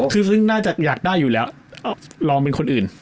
ซึ่งน่าจะอยากได้อยู่แล้วลองเป็นคนอื่น